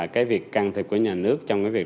cái việc can thiệp của nhà nước trong cái việc